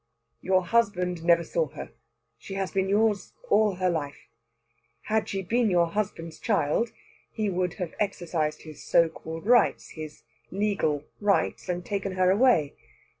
"Your husband never saw her. She has been yours all her life. Had she been your husband's child, he would have exercised his so called rights his legal rights and taken her away.